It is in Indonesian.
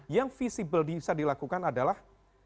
yang visible bisa dilakukan adalah